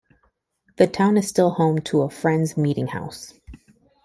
The town is still home to a Friends Meetinghouse.